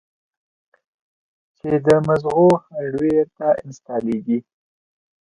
چې د مزغو هارډوئېر ته انسټاليږي